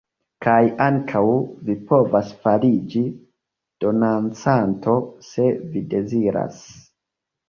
Kaj ankaŭ vi povas fariĝi donancanto se vi deziras.